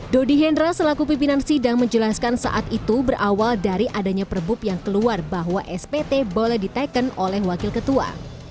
dodi hendra selaku pimpinan sidang menjelaskan saat itu berawal dari adanya perbub yang keluar bahwa spt boleh diteken oleh wakil ketua